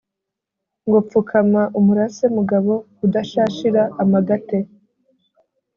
ngo pfukama umurase mugabo udashashira amagate,